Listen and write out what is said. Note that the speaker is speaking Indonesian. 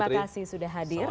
terima kasih sudah hadir